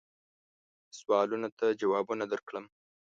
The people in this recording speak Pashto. سوالونو ته جوابونه درکړم.